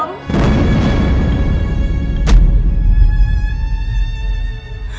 kamu udah tau belum